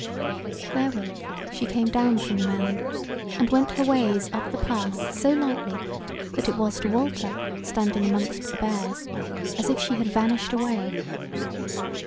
Therewith she came down from the mound, and went her ways up the pass so lightly, that it was to Walter, standing amongst the Bears, as if she had vanished away.